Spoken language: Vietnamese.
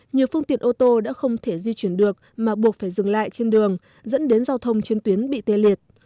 nhiều phương tiện ô tô đã không thể di chuyển được mà buộc phải dừng lại trên đường dẫn đến giao thông trên tuyến bị tê liệt